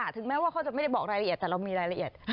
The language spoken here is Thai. ถึงแม้ว่าเขาจะไม่ได้บอกรายละเอียดแต่เรามีรายละเอียด